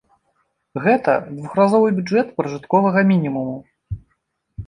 Гэта двухразовы бюджэт пражытковага мінімуму.